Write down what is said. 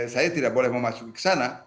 saya tidak boleh memasuki kesana